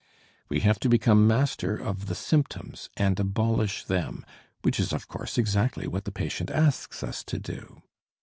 We have to become master of the symptoms, and abolish them, which is of course exactly what the patient asks us to do.